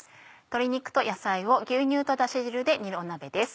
鶏肉と野菜を牛乳とダシ汁で煮る鍋です。